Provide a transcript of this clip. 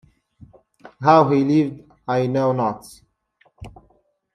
How he lived I know not.